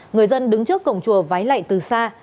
người dân đứng trước cổng chùa vái lại từ xa